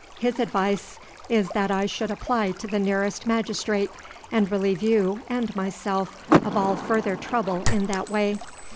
His advice is that I should apply to the nearest magistrate, and relieve you and myself of all further trouble in that way.